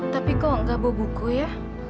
tapi kok gak bawa buku ya